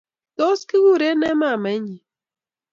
tos? Kikure nee maamainyin?